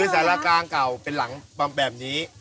สารกลางเก่าเป็นหลังแบบนี้